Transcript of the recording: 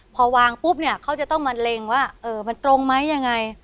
พอวางปุ๊บเนี่ยเขาจะต้องมาเล็งว่ามันตรงไหมยังไง